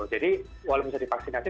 jadi walau bisa divaksinasi